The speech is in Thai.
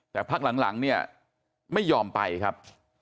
แต่พักหลังเนี่ยไม่ยอมไปครับ